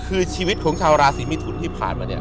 คือชีวิตของชาวราศีมิถุนที่ผ่านมาเนี่ย